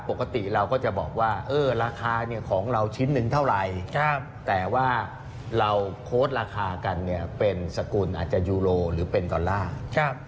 ปกติเราก็จะบอกว่าราคาเนี่ยของเราชิ้นหนึ่งเท่าไหร่แต่ว่าเราโค้ดราคากันเนี่ยเป็นสกุลอาจจะยูโรหรือเป็นดอลลาร์